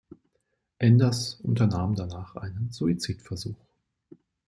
Enders unternahm danach einen Suizidversuch.